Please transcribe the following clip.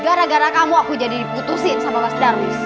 gara gara kamu aku jadi diputusin sama mas darwis